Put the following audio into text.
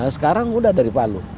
sekarang sudah dari palu